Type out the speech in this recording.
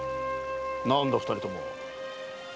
なんだ二人とも。